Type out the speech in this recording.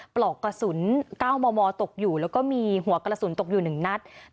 ผมโทรบอกเกี่ยวของบ้าน